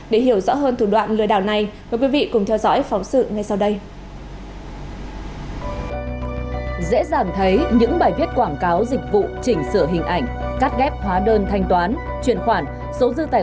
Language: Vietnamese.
để hiểu rõ hơn thủ đoạn lừa đảo này mời quý vị cùng theo dõi phóng sự ngay sau đây